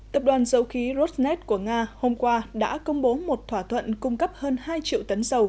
tập đoàn dầu khí rosnet của nga hôm qua đã công bố một thỏa thuận cung cấp hơn hai triệu tấn dầu